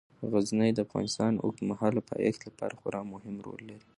غزني د افغانستان د اوږدمهاله پایښت لپاره خورا مهم رول لري.